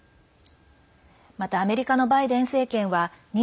また、アメリカのバイデン政権は２８日